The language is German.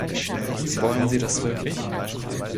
Wollen Sie das wirklich?